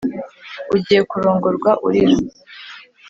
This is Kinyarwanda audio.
ugiye kurongorwa urira